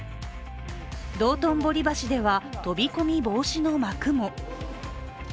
道頓堀橋では、飛び込み防止の幕も。